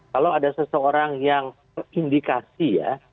kalau ada seseorang yang indikasi ya